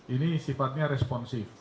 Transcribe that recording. ini sifatnya responsif